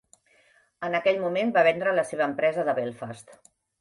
En aquell moment va vendre la seva empresa de Belfast.